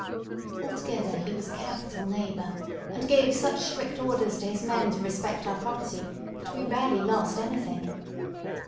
Altogether he was a capital neighbour, and gave such strict orders to his men to respect our property that we rarely lost anything.